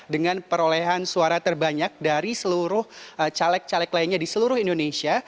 dengan perolehan suara terbanyak dari seluruh caleg caleg lainnya di seluruh indonesia